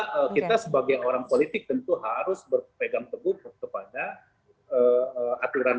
begitu kakak saya ini adalah kita sebagai orang politik tentu harus berpegang tegur kepada aturan